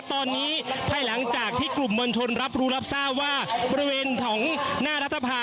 ตอนนี้ภายหลังจากที่กลุ่มมวลชนรับรู้รับทราบว่าบริเวณของหน้ารัฐภา